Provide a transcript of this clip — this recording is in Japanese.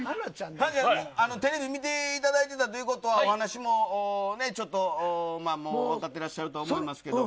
テレビ見ていただいていたということはお話もちょっと分かってらっしゃると思いますけど。